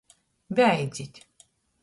Beidzit!